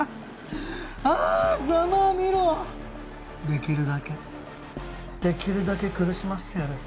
できるだけできるだけ苦しませてやる。